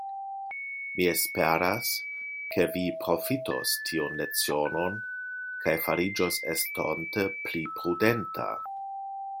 Mi esperas, ke vi profitos tiun lecionon, kaj fariĝos estonte pli prudenta.